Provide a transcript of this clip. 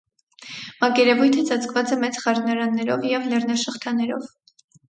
Մակերևույթը ծածկված է մեծ խառնարաններով և լեռնաշղթաներով։